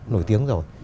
nổi tiếng rồi